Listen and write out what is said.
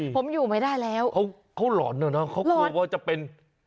ผมอยู่ไม่ได้แล้วเขาหล่อนนะเนอะเขากลัวว่าจะเป็น